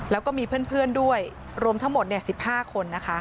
แล้วก็มีเพื่อนด้วยรวมทั้งหมด๑๕คนนะคะ